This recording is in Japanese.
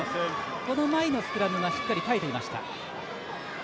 この前のスクラムはしっかり耐えていました。